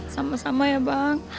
sama sama ya bang